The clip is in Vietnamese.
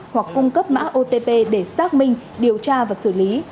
hoặc cung cấp mã otp để xác minh điều tra và xử lý